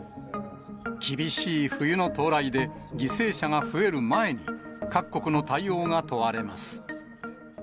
厳しい冬の到来で、犠牲者が増える前に、各国の対応が問われます。